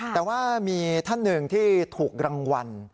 แต่ว่ามีท่านหนึ่งที่ถูกรางวัล